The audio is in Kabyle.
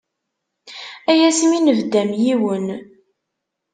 Ay asmi nbedd am yiwen.